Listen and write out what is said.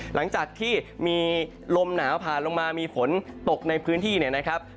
หลังจากที่มีลมหนาวผ่านลงมามีฝนตกในพื้นที่เนี่ยนะครับ